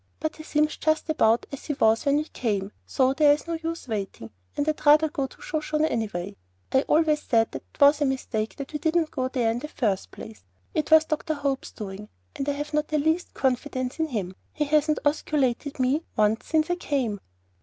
But he seems just about as he was when we came, so there's no use waiting; and I'd rather go to the Shoshone anyway. I always said it was a mistake that we didn't go there in the first place. It was Dr. Hope's doing, and I have not the least confidence in him. He hasn't osculated me once since I came."